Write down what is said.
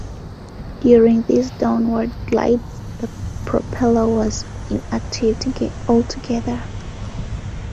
During these downward glides the propellor was inactive altogether.